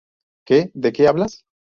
¿ Qué? ¿ de qué hablas?